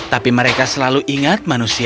tapi mereka selalu ingat manusia itu adalah manusia